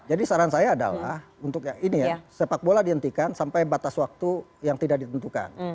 jadi saran saya adalah untuk ini ya sepak bola dihentikan sampai batas waktu yang tidak ditentukan